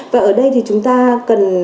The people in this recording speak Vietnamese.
và ở đây thì chúng ta cần